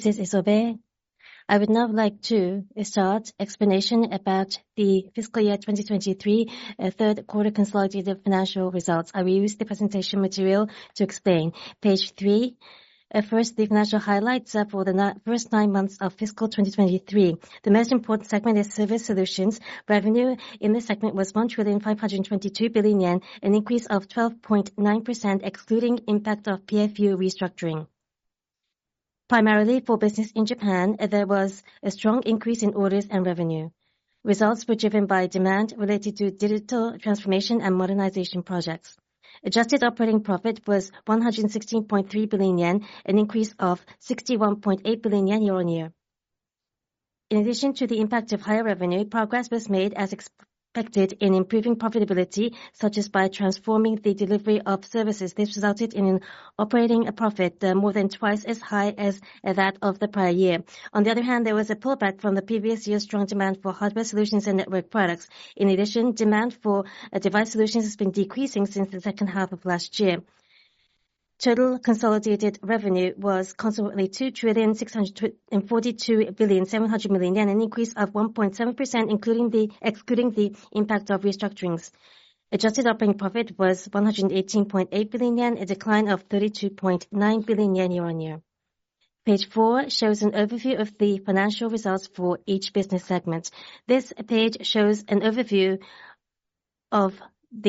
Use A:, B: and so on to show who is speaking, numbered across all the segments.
A: This is Isobe. I would now like to start explanation about the fiscal year 2023 Q3 consolidated financial results. I will use the presentation material to explain. Page three, at first, the financial highlights are for the first nine months of fiscal 2023. The most important segment is Service Solutions. Revenue in this segment was 1,522 billion yen, an increase of 12.9%, excluding impact of PFU restructuring. Primarily for business in Japan, there was a strong increase in orders and revenue. Results were driven by demand related to digital transformation and modernization projects. Adjusted Operating Profit was 116.3 billion yen, an increase of 61.8 billion yen year-on-year. In addition to the impact of higher revenue, progress was made as expected in improving profitability, such as by transforming the delivery of services. This resulted in an operating profit more than twice as high as that of the prior year. On the other hand, there was a pullback from the previous year's strong demand for Hardware Solutions and Network Products. In addition, demand for Device Solutions has been decreasing since the second half of last year. Total consolidated revenue was consequently 2,642.7 billion, an increase of 1.7%, excluding the impact of restructurings. Adjusted Operating Profit was 118.8 billion yen, a decline of 32.9 billion yen year-on-year. Page four shows an overview of the financial results for each business segment. This page shows an overview of the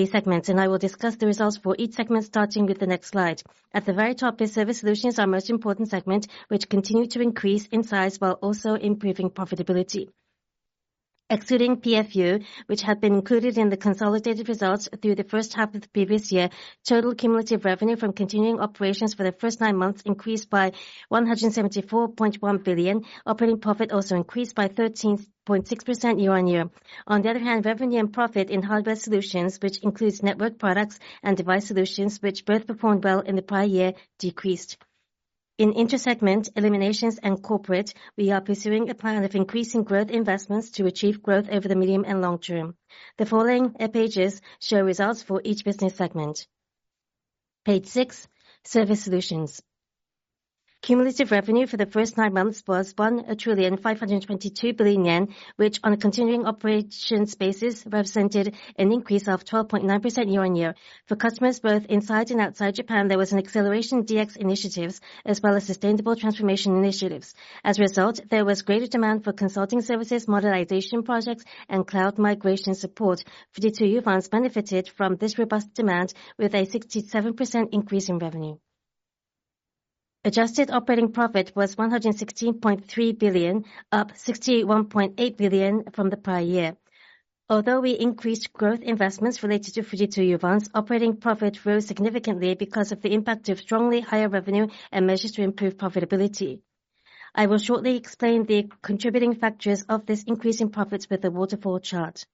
A: segments, and I will discuss the results for each segment, starting with the next slide. At the very top is Service Solutions, our most important segment, which continued to increase in size while also improving profitability. Excluding PFU, which had been included in the consolidated results through the first half of the previous year, total cumulative revenue from continuing operations for the first nine months increased by 174.1 billion. Operating profit also increased by 13.6% year-on-year. On the other hand, revenue and profit in Hardware Solutions, which includes Network Products and Device Solutions, which both performed well in the prior year, decreased. In intersegment eliminations and corporate, we are pursuing a plan of increasing growth investments to achieve growth over the medium and long term. The following pages show results for each business segment. Page six, Service Solutions. Cumulative revenue for the first nine months was 1,522 billion yen, which on a continuing operations basis, represented an increase of 12.9% year-on-year. For customers both inside and outside Japan, there was an acceleration in DX initiatives, as well as sustainability transformation initiatives. As a result, there was greater demand for consulting services, modernization projects, and cloud migration support. Fujitsu Uvance benefited from this robust demand with a 67% increase in revenue. Adjusted Operating Profit was 116.3 billion, up 61.8 billion from the prior year. Although we increased growth investments related to Fujitsu Uvance, operating profit rose significantly because of the impact of strongly higher revenue and measures to improve profitability. I will shortly explain the contributing factors of this increase in profits with a waterfall chart.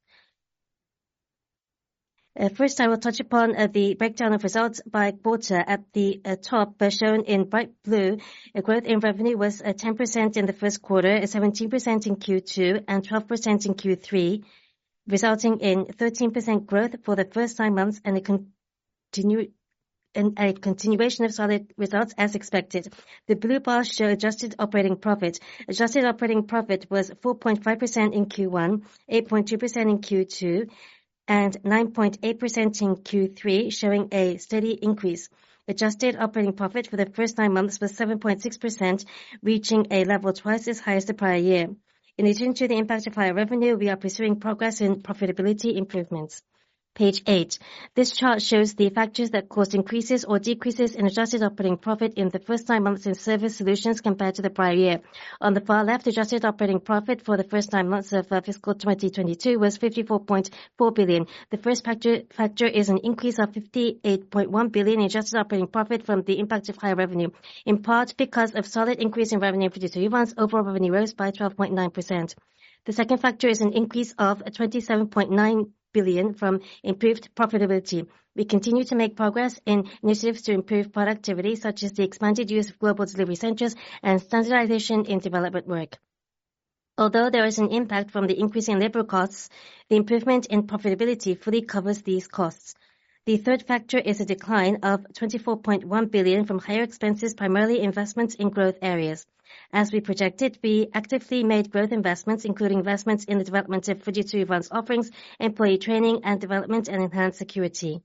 A: First, I will touch upon the breakdown of results by quarter. At the top, as shown in bright blue, a growth in revenue was 10% in the first quarter, 17% in Q2, and 12% in Q3, resulting in 13% growth for the first nine months and a continuation of solid results as expected. The blue bars show Adjusted Operating Profit. Adjusted Operating Profit was 4.5% in Q1, 8.2% in Q2, and 9.8% in Q3, showing a steady increase. Adjusted Operating Profit for the first nine months was 7.6%, reaching a level twice as high as the prior year. In addition to the impact of higher revenue, we are pursuing progress in profitability improvements. Page eight. This chart shows the factors that caused increases or decreases in Adjusted Operating Profit in the first nine months in Service Solutions compared to the prior year. On the far left, Adjusted Operating Profit for the first nine months of fiscal 2022 was 54.4 billion. The first factor is an increase of 58.1 billion in Adjusted Operating Profit from the impact of higher revenue, in part because of solid increase in revenue in Fujitsu Uvance. Overall revenue rose by 12.9%. The second factor is an increase of 27.9 billion from improved profitability. We continue to make progress in initiatives to improve productivity, such as the expanded use of global delivery centers and standardization in development work. Although there is an impact from the increasing labor costs, the improvement in profitability fully covers these costs. The third factor is a decline of 24.1 billion from higher expenses, primarily investment in growth areas. As we projected, we actively made growth investments, including investments in the development of Fujitsu Uvance offerings, employee training and development, and enhanced security.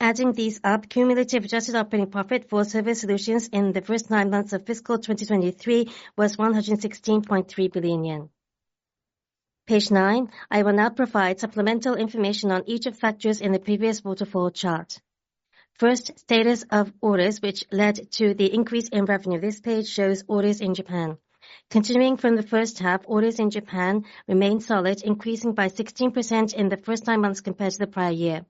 A: Adding these up, cumulative Adjusted Operating Profit for Service Solutions in the first nine months of fiscal 2023 was 116.3 billion yen. Page nine. I will now provide supplemental information on each of factors in the previous waterfall chart. First, status of orders, which led to the increase in revenue. This page shows orders in Japan. Continuing from the first half, orders in Japan remained solid, increasing by 16% in the first nine months compared to the prior year.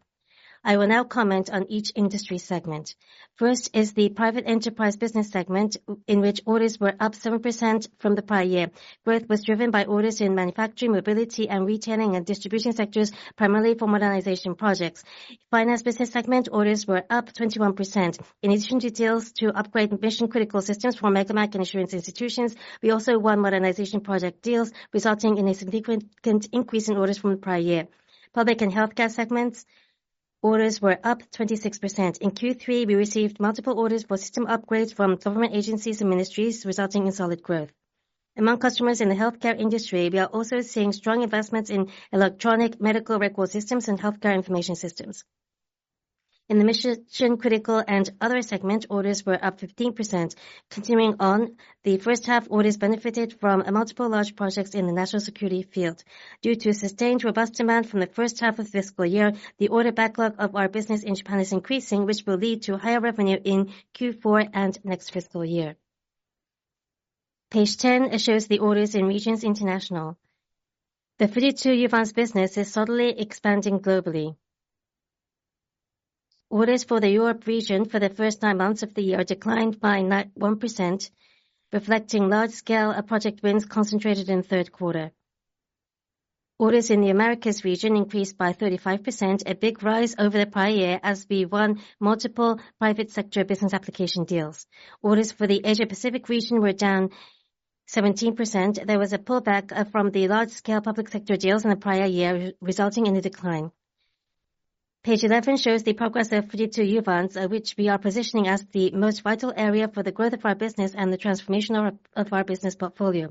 A: I will now comment on each industry segment. First is the private enterprise business segment, in which orders were up 7% from the prior year. Growth was driven by orders in manufacturing, mobility, and retailing and distribution sectors, primarily for modernization projects. Finance business segment orders were up 21%. In addition to deals to upgrade mission-critical systems for mega bank and insurance institutions, we also won modernization project deals, resulting in a significant increase in orders from the prior year. Public and healthcare segments. Orders were up 26%. In Q3, we received multiple orders for system upgrades from government agencies and ministries, resulting in solid growth. Among customers in the healthcare industry, we are also seeing strong investments in electronic medical record systems and healthcare information systems. In the mission critical and other segment, orders were up 15%. Continuing on, the first half orders benefited from multiple large projects in the national security field. Due to sustained robust demand from the first half of the fiscal year, the order backlog of our business in Japan is increasing, which will lead to higher revenue in Q4 and next fiscal year. Page 10 shows the orders in Regions International. The Fujitsu Uvance business is steadily expanding globally. Orders for the Europe region for the first nine months of the year declined by 91%, reflecting large scale of project wins concentrated in the Q3. Orders in the Americas region increased by 35%, a big rise over the prior year as we won multiple private sector business application deals. Orders for the Asia Pacific region were down 17%. There was a pullback from the large scale public sector deals in the prior year, resulting in a decline. Page 11 shows the progress of Fujitsu Uvance, which we are positioning as the most vital area for the growth of our business and the transformation of our business portfolio.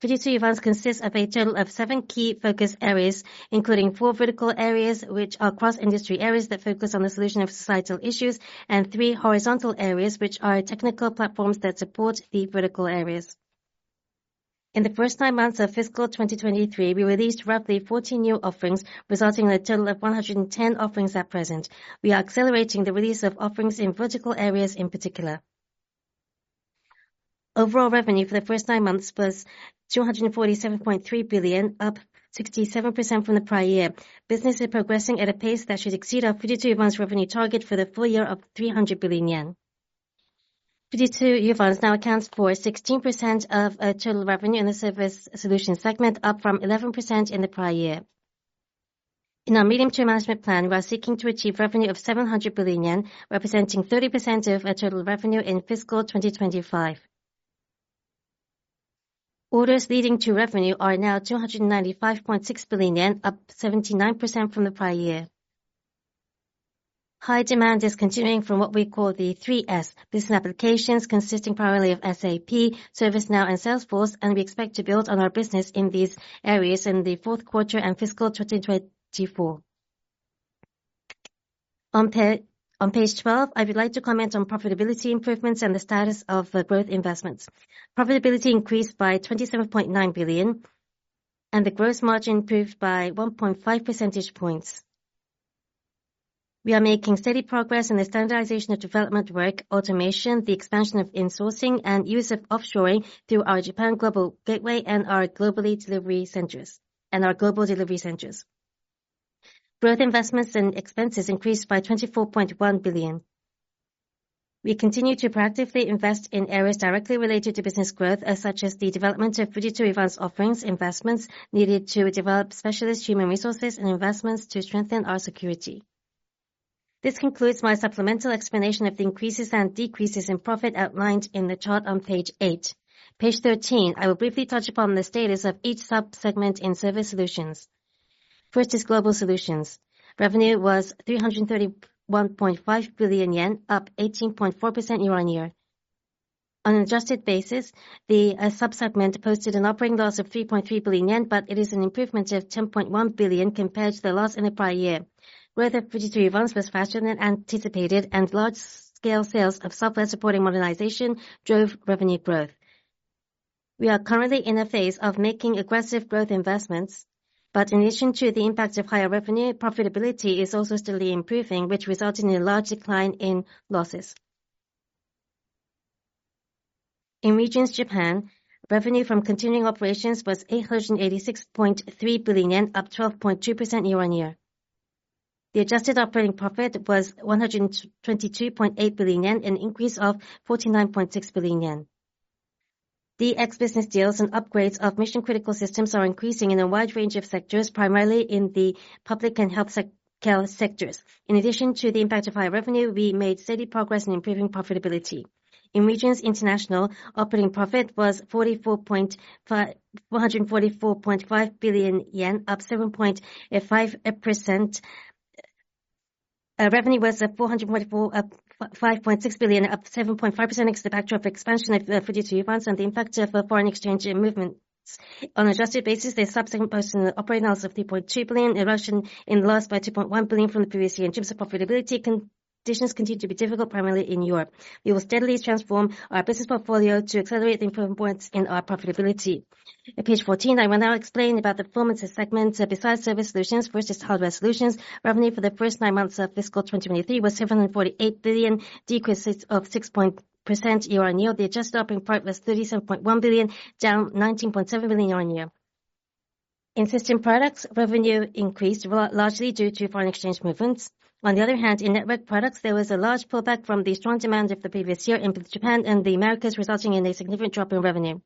A: Fujitsu Uvance consists of a total of seven key focus areas, including four vertical areas, which are cross-industry areas that focus on the solution of societal issues, and three horizontal areas, which are technical platforms that support the vertical areas. In the first nine months of fiscal 2023, we released roughly 14 new offerings, resulting in a total of 110 offerings at present. We are accelerating the release of offerings in vertical areas in particular. Overall revenue for the first nine months was 247.3 billion, up 67% from the prior year. Business is progressing at a pace that should exceed our Fujitsu Uvance revenue target for the full year of 300 billion yen. Fujitsu Uvance now accounts for 16% of total revenue in the Service Solutions segment, up from 11% in the prior year. In our medium-term management plan, we are seeking to achieve revenue of 700 billion yen, representing 30% of our total revenue in fiscal 2025. Orders leading to revenue are now 295.6 billion yen, up 79% from the prior year. High demand is continuing from what we call the three S business applications, consisting primarily of SAP, ServiceNow, and Salesforce, and we expect to build on our business in these areas in the Q4 and fiscal 2024. On page 12, I would like to comment on profitability improvements and the status of the growth investments. Profitability increased by 27.9 billion, and the gross margin improved by 1.5 percentage points. We are making steady progress in the standardization of development work, automation, the expansion of insourcing, and use of offshoring through our Japan Global Gateway and our global delivery centers. Growth investments and expenses increased by 24.1 billion. We continue to proactively invest in areas directly related to business growth, such as the development of Fujitsu Uvance offerings, investments needed to develop specialist human resources, and investments to strengthen our security. This concludes my supplemental explanation of the increases and decreases in profit outlined in the chart on page eight. Page 13, I will briefly touch upon the status of each sub-segment in Service Solutions. First is Global Solutions. Revenue was 331.5 billion yen, up 18.4% year-on-year. On an adjusted basis, the sub-segment posted an operating loss of 3.3 billion yen, but it is an improvement of 10.1 billion compared to the loss in the prior year. Growth at Fujitsu Uvance was faster than anticipated, and large scale sales of software supporting modernization drove revenue growth. We are currently in a phase of making aggressive growth investments, but in addition to the impact of higher revenue, profitability is also steadily improving, which resulted in a large decline in losses. In Regions Japan, revenue from continuing operations was 886.3 billion yen, up 12.2% year-on-year. The Adjusted Operating Profit was 122.8 billion yen, an increase of 49.6 billion yen. DX business deals and upgrades of mission-critical systems are increasing in a wide range of sectors, primarily in the public and health care sectors. In addition to the impact of higher revenue, we made steady progress in improving profitability. In Regions International, operating profit was 444.5 billion yen, up 7.5%. Revenue was at JPY 444.5 billion, up 7.5% against the backdrop of expansion of the Fujitsu Uvance and the impact of foreign exchange movements. On adjusted basis, the subsegment posted an operating loss of 3.2 billion, erosion in loss by 2.1 billion from the previous year. In terms of profitability, conditions continue to be difficult, primarily in Europe. We will steadily transform our business portfolio to accelerate the improvement points in our profitability. On page 14, I will now explain about the performance and segments besides Service Solutions. First is Hardware Solutions. Revenue for the first nine months of fiscal 2023 was 748 billion, decrease of 6% year-on-year. The Adjusted Operating Profit was 37.1 billion, down 19.7 billion year-on-year. In System Products, revenue increased largely due to foreign exchange movements. On the other hand, in Network Products, there was a large pullback from the strong demand of the previous year in both Japan and the Americas, resulting in a significant drop in revenue.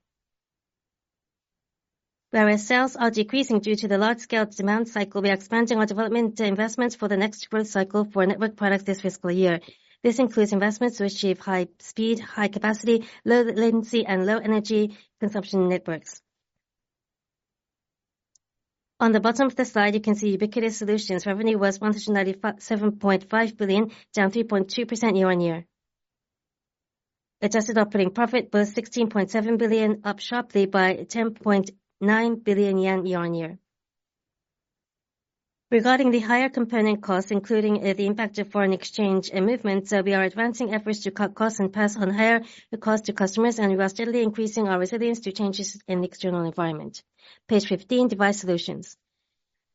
A: Whereas sales are decreasing due to the large scale demand cycle, we are expanding our development investments for the next growth cycle for Network Products this fiscal year. This includes investments to achieve high speed, high capacity, low latency, and low energy consumption networks. On the bottom of the slide, you can see Ubiquitous Solutions. Revenue was 197.5 billion, down 3.2% year-on-year. Adjusted Operating Profit was 16.7 billion, up sharply by 10.9 billion yen year-on-year. Regarding the higher component costs, including the impact of foreign exchange and movement, so we are advancing efforts to cut costs and pass on higher the cost to customers, and we are steadily increasing our resilience to changes in the external environment. Page 15, Device Solutions.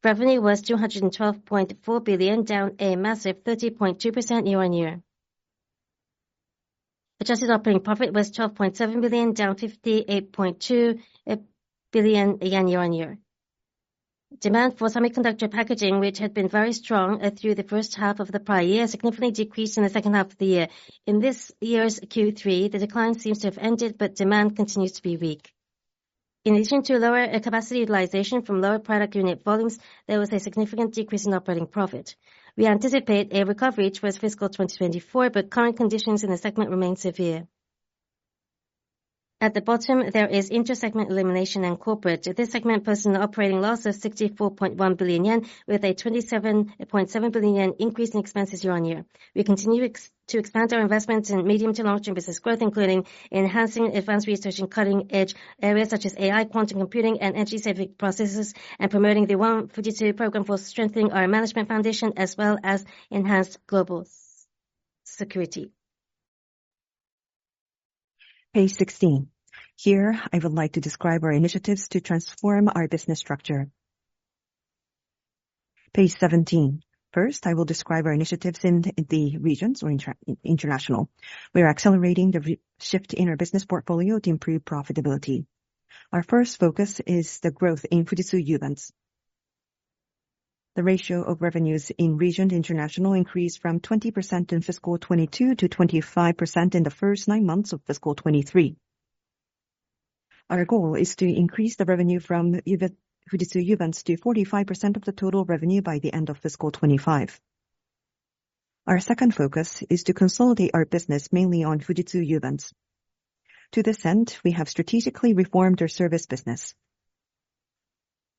A: Revenue was 212.4 billion, down a massive 30.2% year-on-year. Adjusted Operating Profit was 12.7 billion, down 58.2 billion year-on-year. Demand for semiconductor packaging, which had been very strong through the first half of the prior year, significantly decreased in the second half of the year. In this year's Q3, the decline seems to have ended, but demand continues to be weak. In addition to lower capacity utilization from lower product unit volumes, there was a significant decrease in operating profit. We anticipate a recovery towards fiscal 2024, but current conditions in the segment remain severe. At the bottom, there is intersegment elimination and corporate. This segment posts an operating loss of 64.1 billion yen, with a 27.7 billion yen increase in expenses year-on-year. We continue to expand our investments in medium to long-term business growth, including enhancing advanced research in cutting-edge areas such as AI, quantum computing, and energy-saving processes, and promoting the One Fujitsu program for strengthening our management foundation, as well as enhanced global security.
B: Page 16. Here, I would like to describe our initiatives to transform our business structure. Page 17. First, I will describe our initiatives in the regions or international. We are accelerating the shift in our business portfolio to improve profitability. Our first focus is the growth in Fujitsu Uvance. The ratio of revenues in Regions International increased from 20% in fiscal 2022 to 25% in the first nine months of fiscal 2023. Our goal is to increase the revenue from Fujitsu Uvance to 45% of the total revenue by the end of fiscal 2025. Our second focus is to consolidate our business, mainly on Fujitsu Uvance. To this end, we have strategically reformed our service business.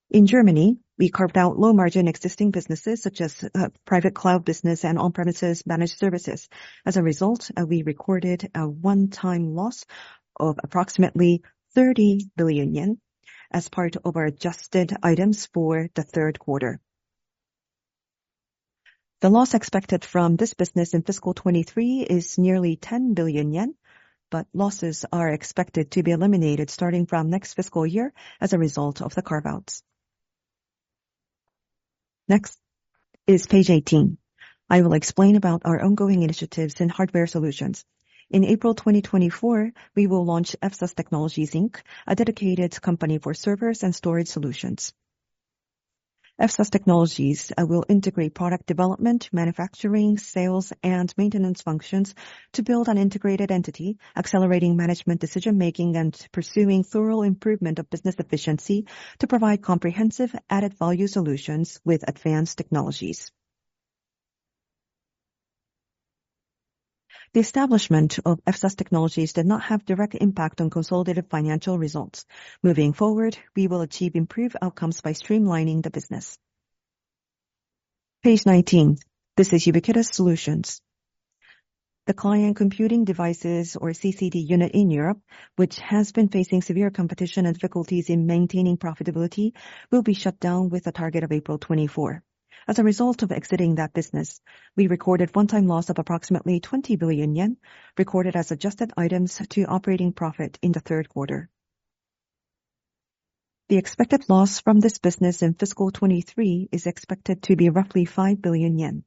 B: In Germany, we carved out low-margin existing businesses such as private cloud business and on-premises managed services. As a result, we recorded a one-time loss of approximately 30 billion yen as part of our adjusted items for the Q3. The loss expected from this business in fiscal 2023 is nearly 10 billion yen, but losses are expected to be eliminated starting from next fiscal year as a result of the carve-outs. Next is page 18. I will explain about our ongoing initiatives in Hardware Solutions. In April 2024, we will launch FSAS Technologies Inc., a dedicated company for servers and storage solutions. FSAS Technologies will integrate product development, manufacturing, sales, and maintenance functions to build an integrated entity, accelerating management decision-making and pursuing thorough improvement of business efficiency to provide comprehensive added value solutions with advanced technologies. The establishment of FSAS Technologies did not have direct impact on consolidated financial results. Moving forward, we will achieve improved outcomes by streamlining the business. Page 19. This is Ubiquitous Solutions. The Client Computing Devices, or CCD, unit in Europe, which has been facing severe competition and difficulties in maintaining profitability, will be shut down with a target of April 2024. As a result of exiting that business, we recorded one-time loss of approximately 20 billion yen, recorded as adjusted items to operating profit in the third quarter. The expected loss from this business in fiscal 2023 is expected to be roughly 5 billion yen.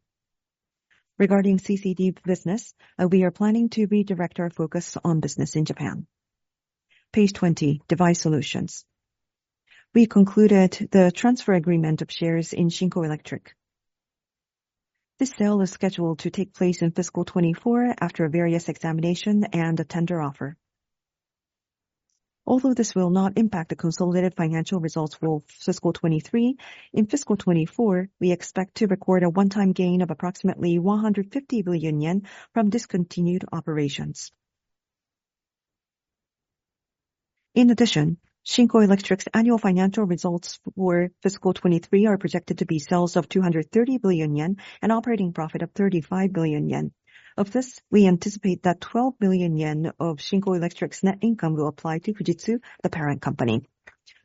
B: Regarding CCD business, we are planning to redirect our focus on business in Japan. Page 20, Device Solutions. We concluded the transfer agreement of shares in Shinko Electric. This sale is scheduled to take place in fiscal 2024 after various examination and a tender offer. Although this will not impact the consolidated financial results for fiscal 2023, in fiscal 2024, we expect to record a one-time gain of approximately 150 billion yen from discontinued operations. In addition, Shinko Electric's annual financial results for fiscal 2023 are projected to be sales of 230 billion yen, an operating profit of 35 billion yen. Of this, we anticipate that 12 billion yen of Shinko Electric's net income will apply to Fujitsu, the parent company.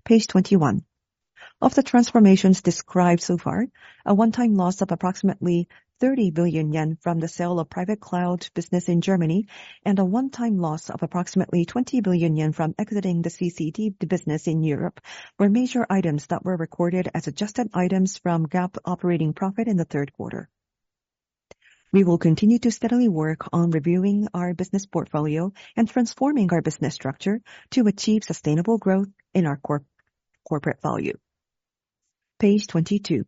B: Page 21. Of the transformations described so far, a one-time loss of approximately 30 billion yen from the sale of private cloud business in Germany, and a one-time loss of approximately 20 billion yen from exiting the CCD business in Europe, were major items that were recorded as adjusted items from GAAP operating profit in the Q3. We will continue to steadily work on reviewing our business portfolio and transforming our business structure to achieve sustainable growth in our corporate value. Page 22.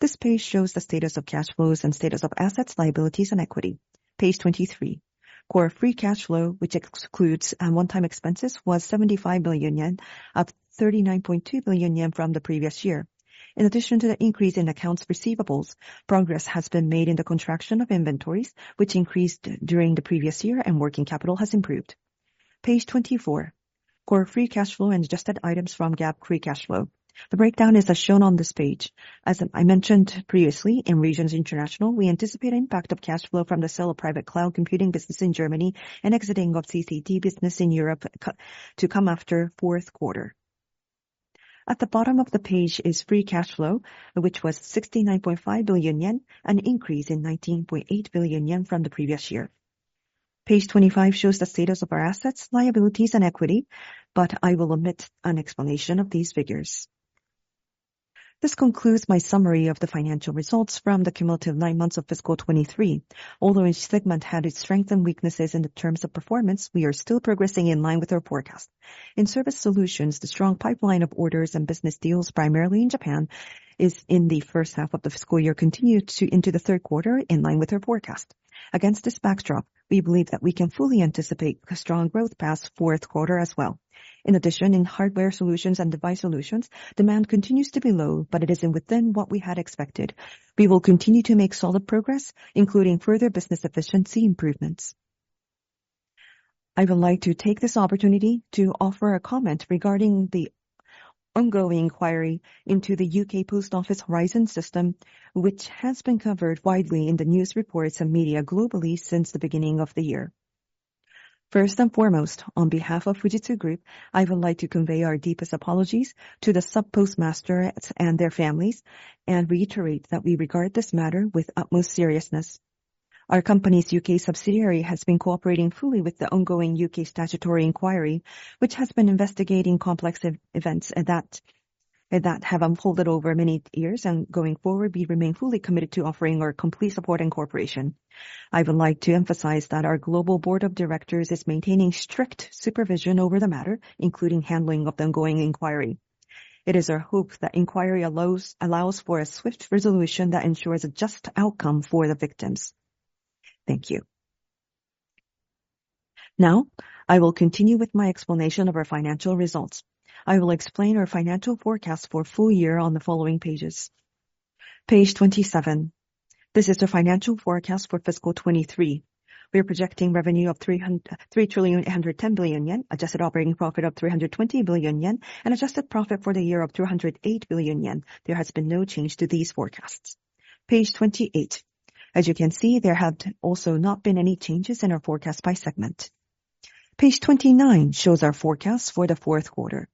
B: This page shows the status of cash flows and status of assets, liabilities, and equity. Page 23. Core free cash flow, which excludes one-time expenses, was 75 billion yen, up 39.2 billion yen from the previous year. In addition to the increase in accounts receivables, progress has been made in the contraction of inventories, which increased during the previous year, and working capital has improved. Page 24, core free cash flow and adjusted items from GAAP free cash flow. The breakdown is as shown on this page. As I mentioned previously, in International Regions, we anticipate impact of cash flow from the sale of private cloud computing business in Germany and exiting of CCD business in Europe to come after Q4. At the bottom of the page is free cash flow, which was 69.5 billion yen, an increase in 19.8 billion yen from the previous year. Page 25 shows the status of our assets, liabilities, and equity, but I will omit an explanation of these figures. This concludes my summary of the financial results from the cumulative nine months of fiscal 2023. Although each segment had its strengths and weaknesses in terms of performance, we are still progressing in line with our forecast. In Service Solutions, the strong pipeline of orders and business deals, primarily in Japan, is in the first half of the fiscal year, continued to into the third quarter in line with our forecast. Against this backdrop, we believe that we can fully anticipate a strong growth past fourth quarter as well. In addition, in Hardware Solutions and Device Solutions, demand continues to be low, but it is within what we had expected. We will continue to make solid progress, including further business efficiency improvements. I would like to take this opportunity to offer a comment regarding the ongoing inquiry into the U.K. Post Office Horizon system, which has been covered widely in the news reports and media globally since the beginning of the year. First and foremost, on behalf of Fujitsu Group, I would like to convey our deepest apologies to the sub-postmasters and their families, and reiterate that we regard this matter with utmost seriousness. Our company's UK subsidiary has been cooperating fully with the ongoing UK statutory inquiry, which has been investigating complex events that have unfolded over many years, and going forward, we remain fully committed to offering our complete support and cooperation. I would like to emphasize that our global board of directors is maintaining strict supervision over the matter, including handling of the ongoing inquiry. It is our hope that inquiry allows for a swift resolution that ensures a just outcome for the victims. Thank you. Now, I will continue with my explanation of our financial results. I will explain our financial forecast for full year on the following pages. Page 27, this is the financial forecast for fiscal 2023. We are projecting revenue of 3,810 billion yen, Adjusted Operating Profit of 320 billion yen, and adjusted profit for the year of 208 billion yen. There has been no change to these forecasts. Page 28. As you can see, there have also not been any changes in our forecast by segment. Page 29 shows our forecast for the fourth quarter.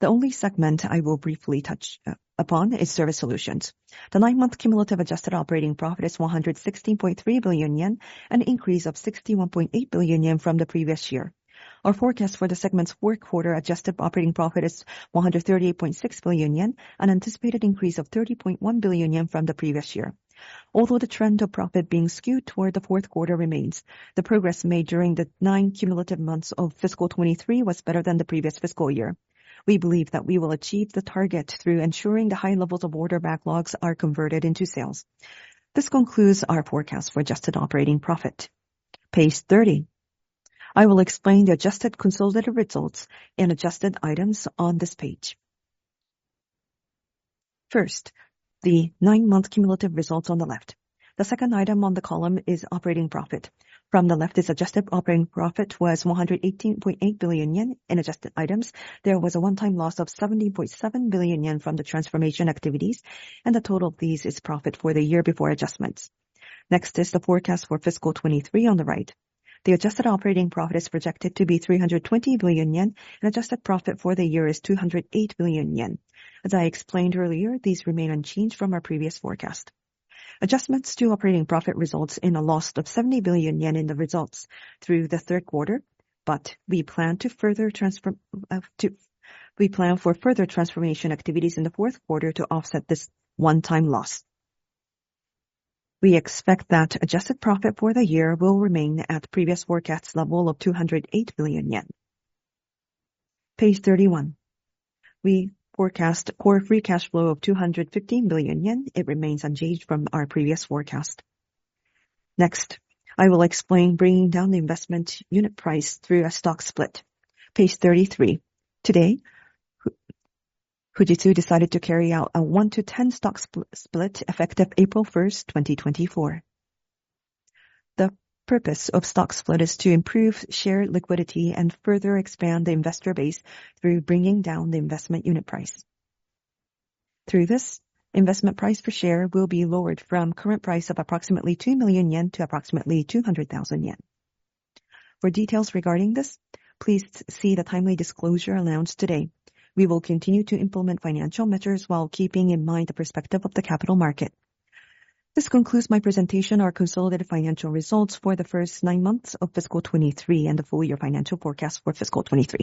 B: The only segment I will briefly touch upon is Service Solutions. The nine-month cumulative Adjusted Operating Profit is 116.3 billion yen, an increase of 61.8 billion yen from the previous year. Our forecast for the segment's fourth quarter Adjusted Operating Profit is 138.6 billion yen, an anticipated increase of 30.1 billion yen from the previous year. Although the trend of profit being skewed toward the Q4 remains, the progress made during the nine cumulative months of fiscal 2023 was better than the previous fiscal year. We believe that we will achieve the target through ensuring the high levels of order backlogs are converted into sales. This concludes our forecast for Adjusted Operating Profit. Page 30. I will explain the adjusted consolidated results and adjusted items on this page. First, the nine month cumulative results on the left. The second item on the column is operating profit. From the left, its Adjusted Operating Profit was 118.8 billion yen. In adjusted items, there was a one-time loss of 70.7 billion yen from the transformation activities, and the total of these is profit for the year before adjustments. Next is the forecast for fiscal 2023 on the right. The Adjusted Operating Profit is projected to be 320 billion yen, and adjusted profit for the year is 208 billion yen. As I explained earlier, these remain unchanged from our previous forecast. Adjustments to operating profit results in a loss of 70 billion yen in the results through the third quarter, but we plan to further transform. We plan for further transformation activities in the Q4 to offset this one-time loss. We expect that adjusted profit for the year will remain at previous forecast level of 208 billion yen. Page 31, we forecast Core Free Cash Flow of 215 billion yen. It remains unchanged from our previous forecast. Next, I will explain bringing down the investment unit price through a Stock Split. Page 33. Today, Fujitsu decided to carry out a one to 10 Stock Split, effective April 1, 2024. The purpose of Stock Split is to improve share liquidity and further expand the investor base through bringing down the investment unit price. Through this, investment price per share will be lowered from current price of approximately 2 million yen to approximately 200,000 yen. For details regarding this, please see the timely disclosure announced today. We will continue to implement financial measures while keeping in mind the perspective of the capital market. This concludes my presentation, our consolidated financial results for the first nine months of fiscal 2023, and the full-year financial forecast for fiscal 2023.